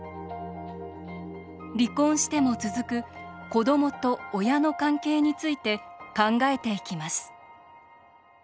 離婚しても続く子どもと親の関係について考えていきます